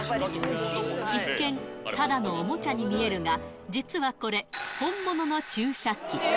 一見、ただのおもちゃに見えるが、実はこれ、本物の注射器。